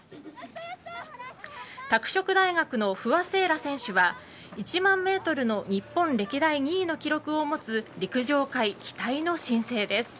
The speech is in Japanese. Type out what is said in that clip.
拓殖大学の不破聖衣来選手は１万ｍの日本歴代２位の記録を持つ陸上界期待の新星です。